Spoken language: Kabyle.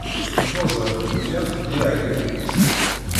Yettwazref Buḍyaf d yiɛeggalen-is.